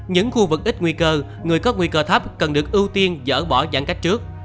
những khu vực ít nguy cơ người có nguy cơ thấp cần được ưu tiên dở bỏ giãn cách trước